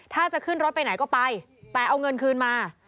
ถ้าจะขึ้นรถไปไหนก็ไปแต่เอาเงินคืนมา